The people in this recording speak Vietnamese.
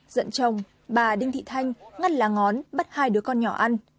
giận chồng bà đinh thị thanh ngăn lá ngón bắt hai đứa con nhỏ ăn